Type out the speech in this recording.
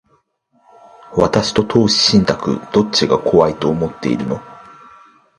私と投資信託、どっちが怖いと思ってるの？